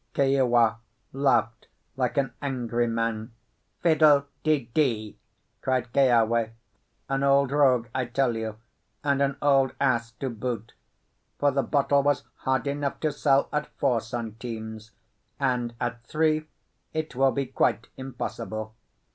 Keawe laughed like an angry man. "Fiddle de dee!" cried Keawe. "An old rogue, I tell you; and an old ass to boot. For the bottle was hard enough to sell at four centimes; and at three it will be quite impossible.